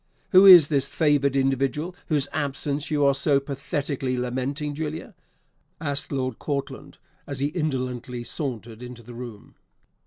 "Who is this favoured individual whose absence you are so pathetically lamenting, Julia?" asked Lord Courtland, as he indolently sauntered into the room.